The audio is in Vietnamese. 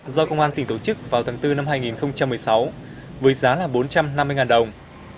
do công an tỉnh tổ chức vào tháng bốn năm hai nghìn một mươi sáu với giá là bốn trăm năm mươi đồng